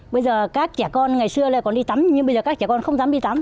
bây giờ các trẻ con ngày xưa là còn đi tắm nhưng bây giờ các trẻ con không dám đi tắm